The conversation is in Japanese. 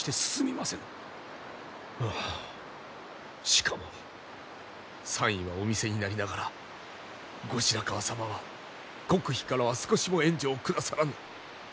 しかも賛意はお見せになりながら後白河様は国費からは少しも援助を下さらぬ！